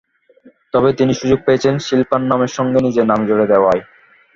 তবে তিনি সুযোগ পেয়েছেন শিল্পার নামের সঙ্গে নিজের নাম জুড়ে দেওয়ার।